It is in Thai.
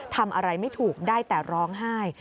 ทำอะไรไม่ถูกได้แต่ร้องไห้